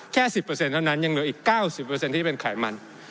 แค่สิบเปอร์เซ็นต์เท่านั้นยังเหลืออีกเก้าสิบเปอร์เซ็นต์ที่เป็นไขมัน